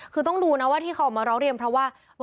คือต้องดูนะว่าที่เขาออกมาร้องเรียนเพราะว่า